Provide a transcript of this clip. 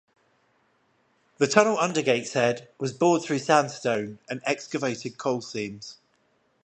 The tunnel under Gateshead, was bored through sandstone and excavated coal seams.